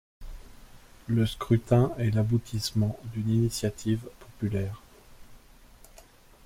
Le scrutin est l'aboutissement d'une initiative populaire.